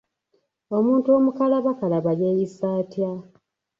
Omuntu omukalabakalaba yeeyisa atya?